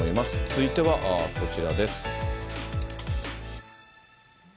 続いてはこちらです。